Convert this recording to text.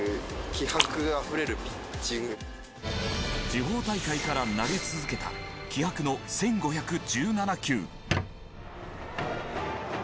地方大会から投げ続けた気迫の１５１７球。